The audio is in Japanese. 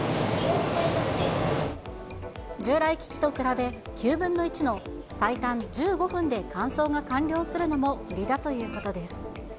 従来機器と比べ、９分の１の最短１５分で乾燥が完了するのも売りだということです。